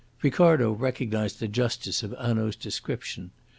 Ricardo recognised the justice of Hanaud's description.